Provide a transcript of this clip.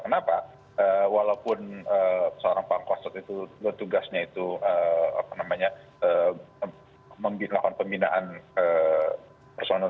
kenapa walaupun seorang pangkos itu tugasnya itu apa namanya membilakan pembinaan personal